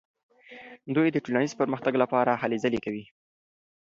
دوی د ټولنیز پرمختګ لپاره هلې ځلې کوي.